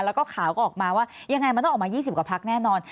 แล้วก็ข่าวก็ออกมาว่ายังไงมันต้องออกมา๒๐กว่าพักแน่นอน